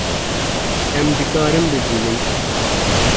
Em dikarin bibînin